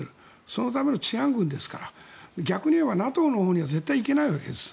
そのための治安軍ですから逆に言えばＮＡＴＯのほうには絶対に行けないわけです。